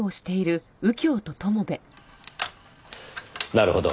なるほど。